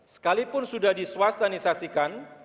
sekalipun sudah diswastanisasikan